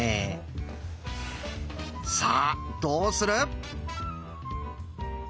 さあどうする？